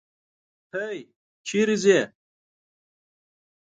هی! چېرې ځې؟